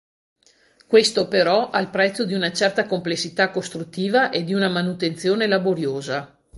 Questo però al prezzo di una certa complessità costruttiva e di una manutenzione laboriosa.